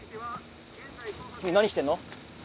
君何してんの？